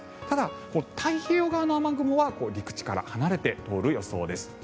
ただ、太平洋側の雨雲は陸地から離れて通る予想です。